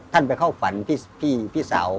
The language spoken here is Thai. ท่านไปเข้าฝันพี่สาว